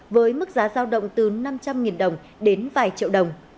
với mức giá giao động từ năm trăm linh đồng đến vài triệu đồng